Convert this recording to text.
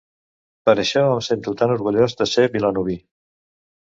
Per això em sento tan orgullós de ser vilanoví.